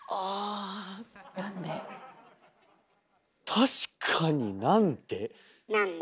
確かになんで？